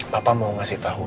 papa mau ngasih tau